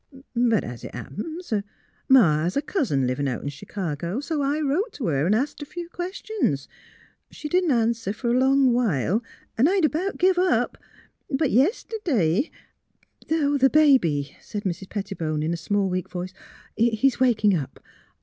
But as it happens, Ma has a cousin livin' out in Ch'cago, so I wrote t' her an' asked a few questions. She didn't answer for a long while, an' I'd about give up; but, yeste'd'y "'' The baby," said Mrs. Pettibone, in a small, weak voice, " is waking up.